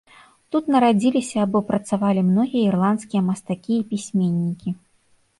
Тут нарадзіліся або працавалі многія ірландскія мастакі і пісьменнікі.